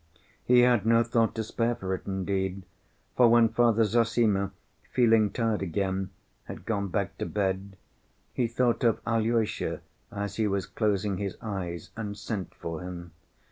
He had no thought to spare for it indeed, for when Father Zossima, feeling tired again, had gone back to bed, he thought of Alyosha as he was closing his eyes, and sent for him.